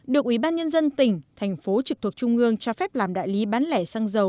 được ủy ban nhân dân tỉnh thành phố trực thuộc trung ương cho phép làm đại lý bán lẻ xăng dầu